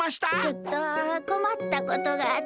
ちょっとこまったことがあってねえ。